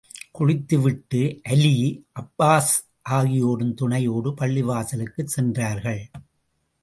குளித்து விட்டு, அலீ, அப்பாஸ் ஆகியோரின் துணையோடு பள்ளிவாசலுக்குச் சென்றார்கள்.